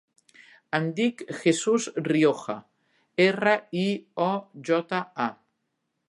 Em dic Jesús Rioja: erra, i, o, jota, a.